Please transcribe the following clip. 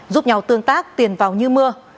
giúp nhau tương tác tiền vào như mưa